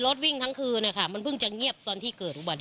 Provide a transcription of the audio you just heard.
รถวิ่งทั้งคืนนะคะมันเพิ่งจะเงียบตอนที่เกิดอุบัติเหตุ